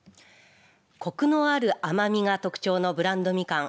こくのある甘みが特徴のブランドみかん